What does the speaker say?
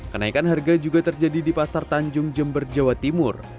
kenaikan harga juga terjadi di pasar tanjung jember jawa timur